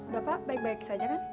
bapak baik baik saja kan